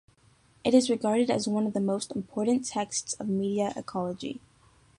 It is regarded as one of the most important texts of media ecology.